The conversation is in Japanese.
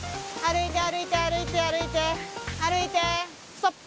歩いて、歩いて、歩いて、歩いて、ストップ。